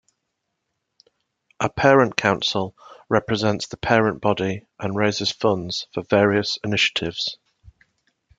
A parent council represents the parent body and raises funds for various initiatives.